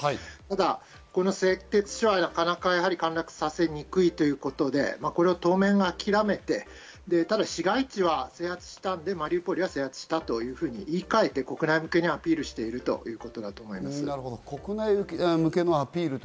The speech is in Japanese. ただ、この製鉄所はなかなか陥落させにくいということで当面諦めて、ただ、市街地は制圧したんで、マリウポリは制圧したと言いかえて、国内向けにアピールしているということだ